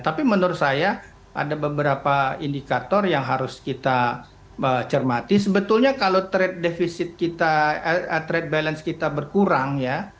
tapi menurut saya ada beberapa indikator yang harus kita cermati sebetulnya kalau trade defisit kita trade balance kita berkurang ya